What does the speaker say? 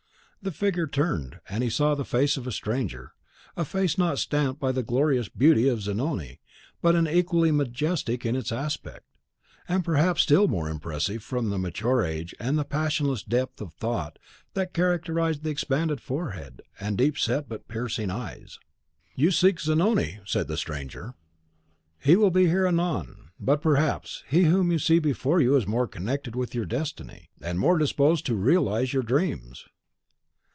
The figure turned, and he saw the face of a stranger: a face not stamped by the glorious beauty of Zanoni, but equally majestic in its aspect, and perhaps still more impressive from the mature age and the passionless depth of thought that characterised the expanded forehead, and deep set but piercing eyes. "You seek Zanoni," said the stranger; "he will be here anon; but, perhaps, he whom you see before you is more connected with your destiny, and more disposed to realise your dreams."